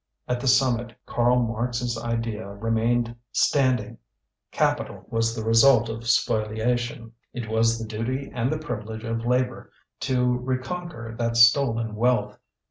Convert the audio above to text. At the summit Karl Marx's idea remained standing: capital was the result of spoliation, it was the duty and the privilege of labour to reconquer that stolen wealth.